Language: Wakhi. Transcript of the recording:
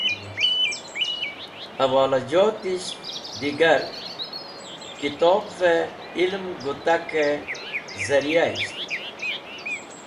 hẽwolajotisht digar kitobvẽ ilem gũtakẽ zẽryayisht.